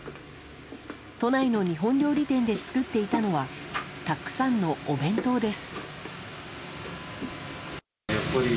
都内の日本料理店で作っていたのはたくさんのお弁当です。